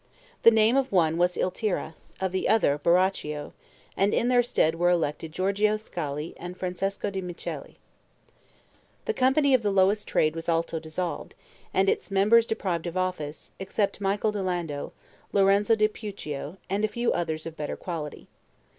The name of one was Il Tira, of the other Baroccio, and in their stead were elected Giorgio Scali and Francesco di Michele. The company of the lowest trade was also dissolved, and its members deprived of office, except Michael di Lando, Lorenzo di Puccio and a few others of better quality.